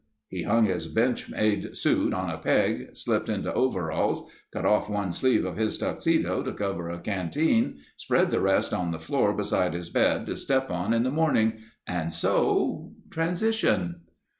He hung his bench made suit on a peg, slipped into overalls, cut off one sleeve of his tuxedo to cover a canteen, spread the rest on the floor beside his bed to step on in the morning and so—transition.